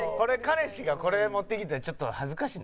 彼氏がこれ持ってきてちょっと恥ずかしない？